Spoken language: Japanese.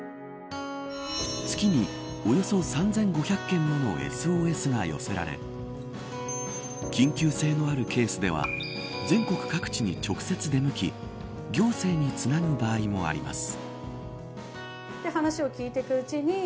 月におよそ３５００件ものＳＯＳが寄せられ緊急性のあるケースでは全国各地に直接出向き行政につなぐ場合もあります。